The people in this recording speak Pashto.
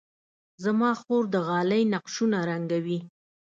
زما خور د غالۍ نقشونه رنګوي.